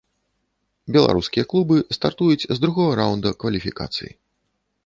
Беларускія клубы стартуюць з другога раўнда кваліфікацыі.